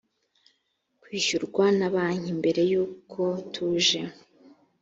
kwishyurwa na banki mbere y uko tuje